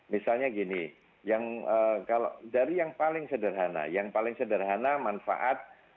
misalnya gini yang kalau dari yang paling sederhana yang paling sederhana manfaat